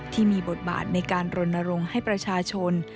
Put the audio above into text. ที่มีบทบาทในการรณรงค์ให้ประชาชน